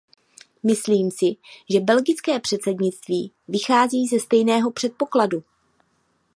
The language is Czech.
Myslím si, že belgické předsednictví vychází ze stejného předpokladu.